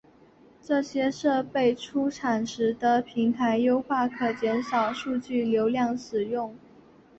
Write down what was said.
这些设备出厂时的平台优化可减少数据流量使用。